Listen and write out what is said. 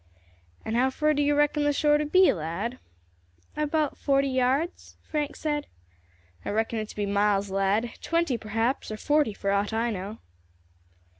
"And how fur do you reckon the shore to be, lad?" "About forty yards," Frank said. "I reckon it to be miles, lad twenty, perhaps, or forty for aught I know."